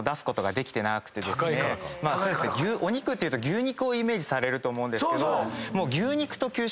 お肉っていうと牛肉をイメージされると思うんですけど。